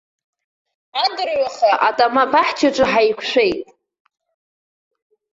Адырҩауха атама-баҳчаҿы ҳаиқәшәеит!